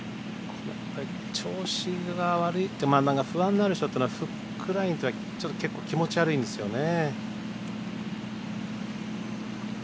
調子が悪くて不安になる人というのはフックラインというのは結構、気持ち悪いんですよね。